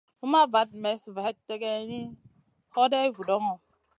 Numaʼ vat mestn hè vat geyni, hoday vudoŋo.